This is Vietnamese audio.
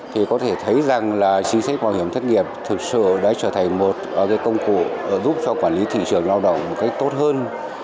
thì có thể thấy rằng là chính sách bảo hiểm thất nghiệp thực sự đã trở thành một công cụ giúp cho quản lý thị trường lao động một cách tốt hơn